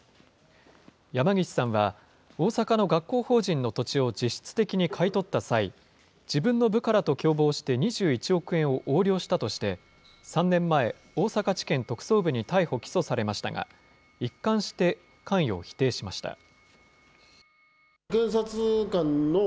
山岸さんは、大阪の学校法人の土地を実質的に買い取った際、自分の部下らと共謀して２１億円を横領したとして、３年前、大阪地検特捜部に逮捕・起訴されましたが、一貫して関与を否定しました。